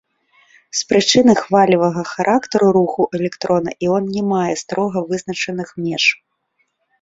З прычыны хвалевага характару руху электрона іон не мае строга вызначаных меж.